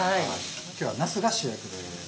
今日はなすが主役です。